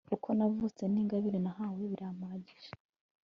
uko navutse, n'ingabire nahawe, birampagije